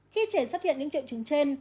khi trẻ xuất hiện những triệu chứng trên